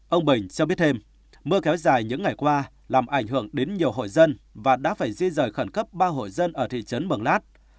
ông bình cho biết thêm mưa kéo dài những ngày qua làm ảnh hưởng đến nhiều hội dân và đã phải di rời khẩn cấp ba hội dân ở thị trấn mường lát